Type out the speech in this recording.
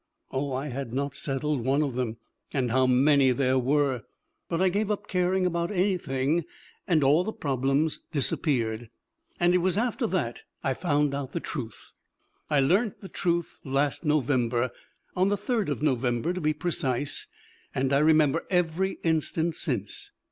Oh, I had not settled one of them, and how many they were! But I gave up caring about anything, and all the problems disappeared. And it was after that that I found out the truth. I learnt the truth last November on the third of November, to be precise and I remember every instant since.